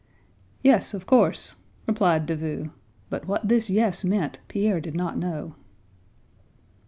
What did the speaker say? "Yes, of course!" replied Davout, but what this "yes" meant, Pierre did not know.